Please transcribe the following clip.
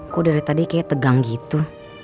kok dari tadi kayak tegang gitu